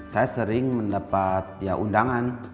saya sering mendapat undangan